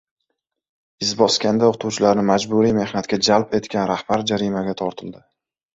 Izboskanda o‘qituvchilarni majburiy mehnatga jalb etgan rahbar jarimaga tortildi